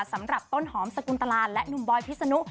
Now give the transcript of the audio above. สำหรับต้นหอมสกุลตลาและหนุ่มบอยพิษนุ